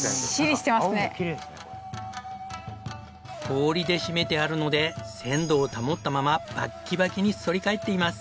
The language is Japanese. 氷で締めてあるので鮮度を保ったままバッキバキに反り返っています。